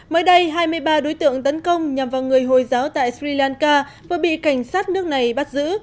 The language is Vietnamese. mới đây hai mươi ba đối tượng tấn công nhằm vào người hồi giáo tại sri lanka vừa bị cảnh sát nước này bắt giữ